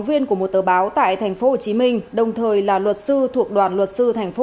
viên của một tờ báo tại thành phố hồ chí minh đồng thời là luật sư thuộc đoàn luật sư thành phố